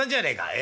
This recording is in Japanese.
え？